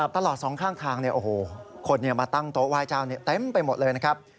ตลอดสองข้างทางคนมาตั้งโต๊ะไหว้เจ้าเต็มไปหมดเลยนะครับ